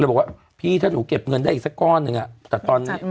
บอกว่าพี่ถ้าหนูเก็บเงินได้อีกสักก้อนหนึ่งแต่ตอนนี้